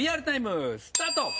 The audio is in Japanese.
ＰＲタイムスタート。